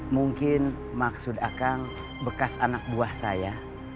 mungkin maksud akang bekas anak buah saya